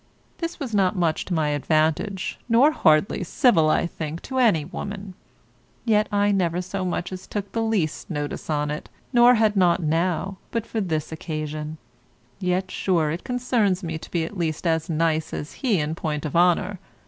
This was not much to my advantage, nor hardly civil, I think, to any woman; yet I never so much as took the least notice on't, nor had not now, but for this occasion; yet, sure, it concerns me to be at least as nice as he in point of honour.